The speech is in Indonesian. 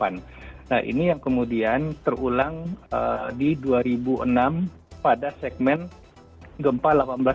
nah ini yang kemudian terulang di dua ribu enam pada segmen gempa seribu delapan ratus tiga puluh tiga